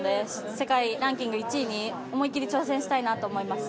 世界ランキング１位に思い切り挑戦したいなと思います。